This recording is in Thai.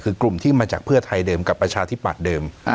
คือกลุ่มที่มาจากเพื่อไทยเดิมกับประชาธิปัตย์เดิม